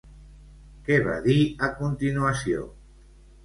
Què va dir a continuació?